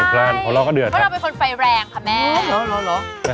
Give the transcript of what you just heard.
เดือดปล้านของเราก็เดือดค่ะเพราะเราเป็นคนไฟแรงค่ะแม่